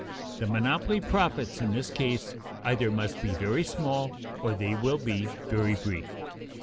The monopoly profits in this case either must be very small or they will be very brief.